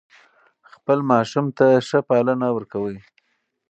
خپل ماشوم ته ښه پالنه ورکوي.